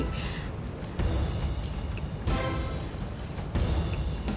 pati kita mau pertanyaan